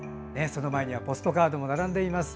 その前にはポストカードも並んでいます。